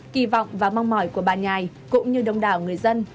kỳ vọng và mong mỏi của bà nhài cũng như đông đảo người dân